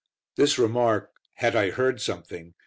This remark, "Had I heard something?"